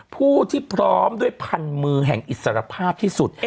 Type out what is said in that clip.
ผู้ที่พร้อมด้วยพันมือแห่งอิสรภาพที่สุด